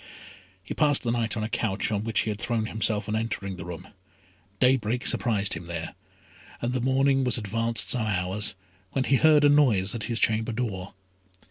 He passed the night on a couch on which he had thrown himself on entering the room. Daybreak surprised him there: and the morning was advanced some hours, when he heard a noise at his chamber door.